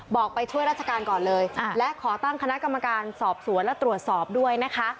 ไปช่วยราชการก่อนเลยและขอตั้งคณะกรรมการสอบสวนและตรวจสอบด้วยนะคะ